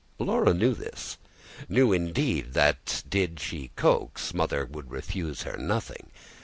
Laura knew this; knew indeed that, did she coax, Mother could refuse her nothing.